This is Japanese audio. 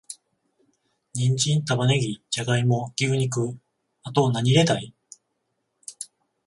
ニンジン、玉ネギ、ジャガイモ、牛肉……あと、なに入れたい？